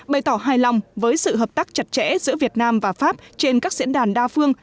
bày tỏ hài lòng với sự hợp tác chặt chẽ giữa việt nam và pháp trên các diễn đàn đa phương